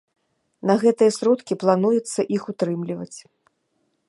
На гэтыя сродкі плануецца іх утрымліваць.